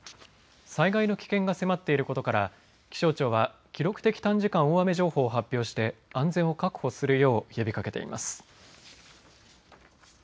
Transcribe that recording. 災害の危険が迫っていることから気象庁は記録的短時間大雨情報を発表して安全を確保するよう呼びかけています。